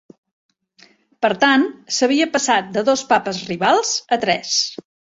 Per tant, s'havia passat de dos papes rivals a tres.